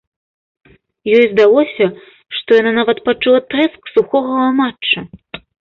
Ёй здалося, што яна нават пачула трэск сухога ламачча.